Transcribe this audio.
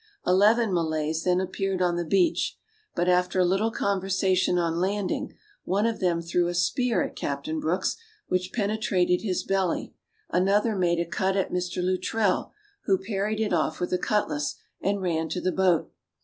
Eleven Malays then appeared on the beach; but after a little conversation on landing, one of them threw a spear at Captain Brooks, which penetrated his belly, another made a cut at Mr. Luttrell, who parried it off with a cutlass, and ran to the boat.